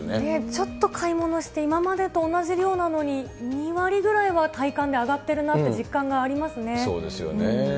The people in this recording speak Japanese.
ちょっと買い物して、今までと同じ量なのに、２割ぐらいは体感で上がっているなって、実感がそうですよね。